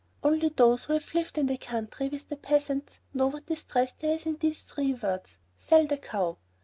Only those who have lived in the country with the peasants know what distress there is in these three words, "Sell the cow."